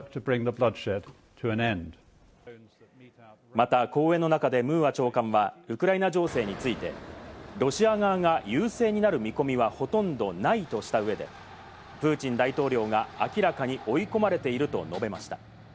また講演の中でムーア長官はウクライナ情勢について、ロシア側が優勢になる見込みはほとんどないとした上で、プーチン大統領が明らかに追い込まれていると述べました。